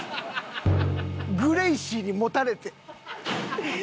グレイシーに持たれて。